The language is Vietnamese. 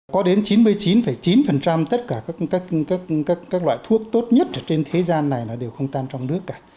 có đến chín mươi chín chín tất cả các loại thuốc tốt nhất trên thế gian này là đều không tan trong nước cả